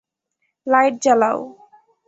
Light জ্বালাও।